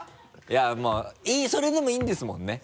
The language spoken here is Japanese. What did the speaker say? いやまぁそれでもいいんですもんね？